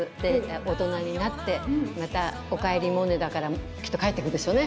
大人になってまた「おかえりモネ」だからきっと帰ってくるでしょうね。